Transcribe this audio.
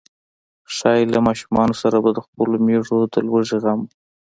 ښايي له ماشوم سره به د خپلو مېږو د لوږې غم و.